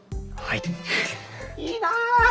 いいな！